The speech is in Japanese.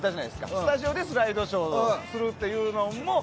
スタジオでスライドショーするっていうの。